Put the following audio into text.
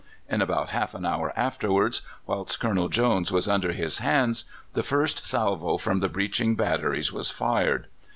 In about half an hour afterwards, whilst Colonel Jones was under his hands, the first salvo from the breaching batteries was fired.